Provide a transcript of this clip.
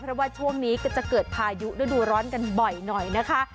เพราะว่าช่วงนี้ก็จะเกิดพายุฤดูร้อนกันบ่อยหน่อยนะคะ